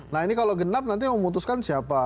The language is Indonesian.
nah ini kalau genap nanti memutuskan siapa